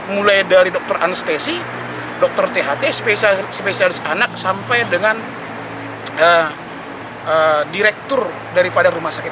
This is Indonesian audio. mulai dari dokter anestesi dokter tht spesialis anak sampai dengan direktur daripada rumah sakit